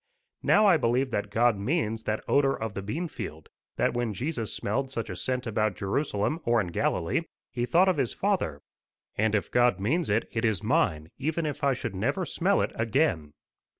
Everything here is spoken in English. Now I believe that God means that odour of the bean field; that when Jesus smelled such a scent about Jerusalem or in Galilee, he thought of his Father. And if God means it, it is mine, even if I should never smell it again.